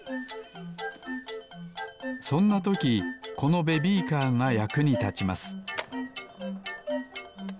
そんなときこのベビーカーがやくにたちます